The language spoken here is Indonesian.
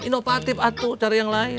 inovatif atuh cari yang lain